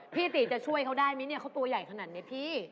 พี่ติจะช่วยเขาได้ไหมเนี่ยเขาตัวใหญ่ขนาดนี้พี่